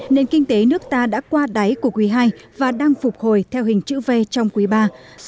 nền kinh tế nước ta đã qua đáy của quý ii và đang phục hồi theo hình chữ v trong quý iii